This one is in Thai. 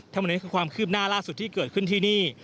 ทั้งหมดนี้คือความคืบหน้าล่าสุดที่เกิดขึ้นที่นี่